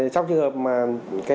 trong trường hợp mà